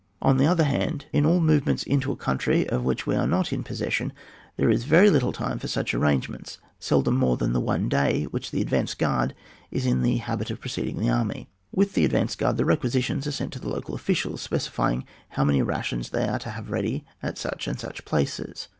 On the other hand, in all move ments into a country of which we are not in possession, there is very little time for such arrangements, seldom more than the one day which the advanced guard is in the habit of preceding the army. With the advanced guard the requisitions are sent to the local officials, specifying how many rations they are to have ready at such and such places.